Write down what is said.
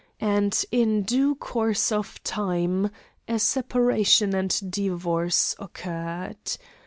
And in due course of time a separation and divorce occurred.